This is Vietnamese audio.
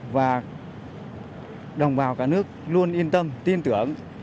và đồng bào cả nước luôn yên tâm tin tưởng